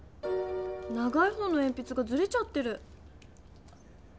長い方のえんぴつがずれちゃってる！